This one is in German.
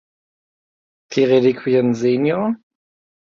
Die Reliquien Sr.